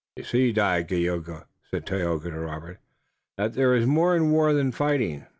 "You see, Dagaeoga," said Tayoga to Robert, "that there is more in war than fighting.